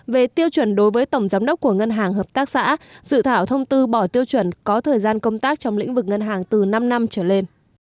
về tiêu chuẩn đối với tổng giám đốc của ngân hàng hợp tác xã dự thảo thông tư bỏ tiêu chuẩn có thời gian công tác trong lĩnh vực ngân hàng từ năm năm trở lên